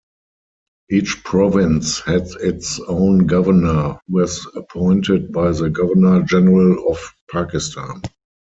Each province had its own governor, who was appointed by the Governor-General of Pakistan.